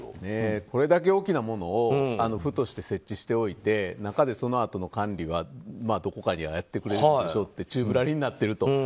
これだけ大きなものを府として設置しておいて中でそのあとの管理はどこかでやってくれるでしょうと宙ぶらりんになってると。